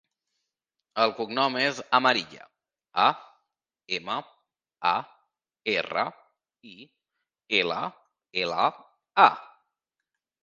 El cognom és Amarilla: a, ema, a, erra, i, ela, ela, a.